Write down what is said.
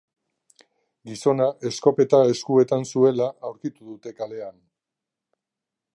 Gizona eskopeta eskuetan zuela aurkitu dute kalean.